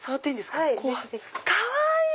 かわいい！